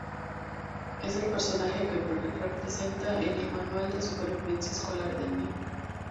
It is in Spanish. Es el personaje que representa en el manual de supervivencia escolar de Ned.